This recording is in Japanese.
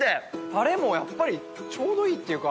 タレもやっぱりちょうどいいっていうか。